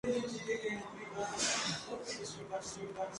Su cajón de mecanismos está hecho de planchas de acero estampadas y soldadas.